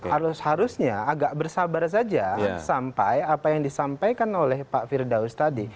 harus harusnya agak bersabar saja sampai apa yang disampaikan oleh pak firdaus tadi